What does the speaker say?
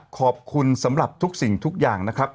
ขอบคุณสำหรับทุกสิ่งทุกอย่างนะครับ